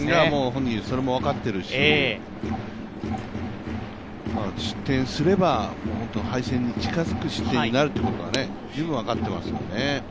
本人、それも分かっているし失点すればもっと敗戦に近づく失点になるってことは十分、分かっていますよね。